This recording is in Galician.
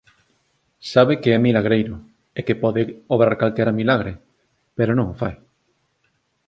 Sabe que é milagreiro e que pode obrar calquera milagre, pero non o fai.